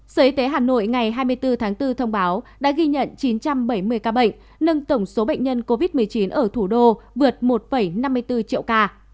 sở y tế hà nội ngày hai mươi bốn tháng bốn thông báo đã ghi nhận chín trăm bảy mươi ca bệnh nâng tổng số bệnh nhân covid một mươi chín ở thủ đô vượt một năm mươi bốn triệu ca